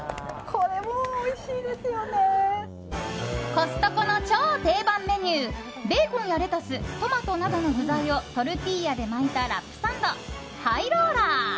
コストコの超定番メニューベーコンやレタストマトなどの具材をトルティーヤで巻いたラップサンド、ハイローラー。